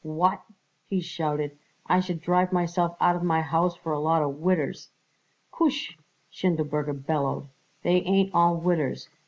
"What!" he shouted. "I should drive myself out of my house for a lot of widders!" "Koosh!" Schindelberger bellowed. "They ain't all widders.